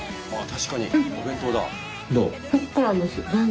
確かにお弁当だ。